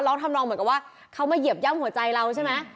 ทำนองเหมือนกับว่าเขามาเหยียบย่ำหัวใจเราใช่ไหม